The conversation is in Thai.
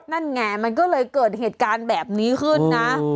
นั่นไงมันก็เลยเกิดเหตุการณ์แบบนี้ขึ้นนะ